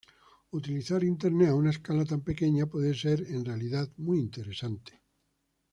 Utilizar Internet a una escala tan pequeña puede ser en realidad muy interesante.